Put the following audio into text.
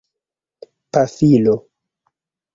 pafilo